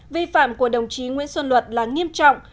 vi phạm của đồng chí nguyễn xuân luật là nghiêm trọng